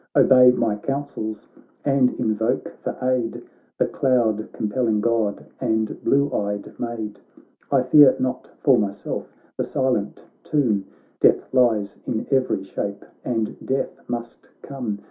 Obey my counsels, and invoke for aid The cloud compelling God and blue eyed maid ; I fear not for myself the silent tomb ; Death lies in every shape, and death must come.